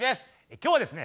今日はですね